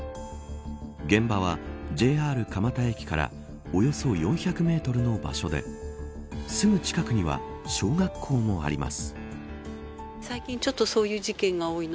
現場は、ＪＲ蒲田駅からおよそ４００メートルの場所ですぐ近くには小学校もあります。